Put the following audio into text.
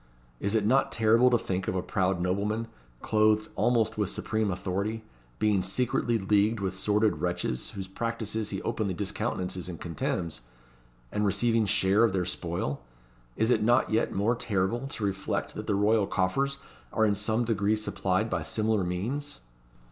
Is it not terrible to think of a proud nobleman, clothed almost with supreme authority, being secretly leagued with sordid wretches, whose practices he openly discountenances and contemns, and receiving share of their spoil? Is it not yet more terrible to reflect that the royal coffers are in some degree supplied by similar means?"